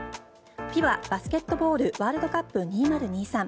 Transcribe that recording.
ＦＩＢＡバスケットボールワールドカップ２０２３。